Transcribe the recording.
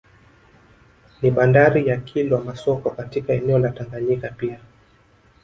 Ni bandari ya Kilwa Masoko katika eneo la Tanganyika pia